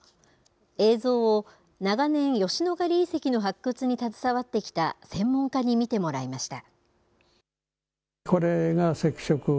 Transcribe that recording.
映像を長年、吉野ヶ里遺跡の発掘に携わってきた専門家に見てもらいました。